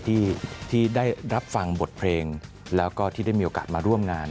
ที่ได้รับฟังบทเพลงแล้วก็ที่ได้มีโอกาสมาร่วมงาน